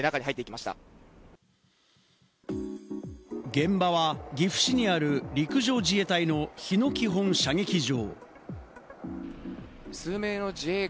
現場は岐阜市にある陸上自衛隊の日野基本射撃場。